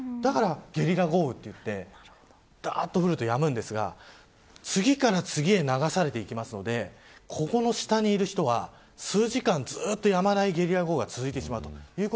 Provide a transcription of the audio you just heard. だから、ゲリラ豪雨と言ってざっとふるとやむんですが次から次に流されていってここの下にいる人は、数時間ずっとやまないゲリラ豪雨が続いてしまう。